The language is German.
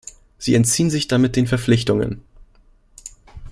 Sie entziehen sich damit den Verpflichtungen.